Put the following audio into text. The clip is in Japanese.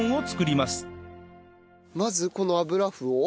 まずこの油麩を。